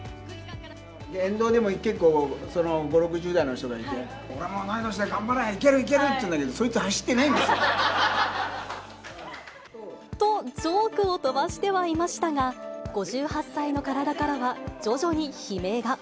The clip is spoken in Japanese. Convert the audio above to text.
沿道でも結構、その５、６０代の人がいて、俺も同い年だぜ、いける、いける、頑張れって言うんだけど、そいつ走ってないんですよ。と、ジョークを飛ばしてはいましたが、５８歳の体からは、徐々に悲鳴が。